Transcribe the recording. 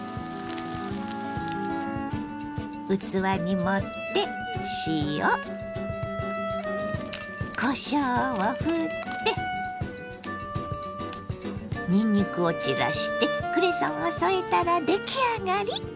器に盛って塩こしょうをふってにんにくを散らしてクレソンを添えたら出来上がり！